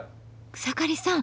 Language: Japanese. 草刈さん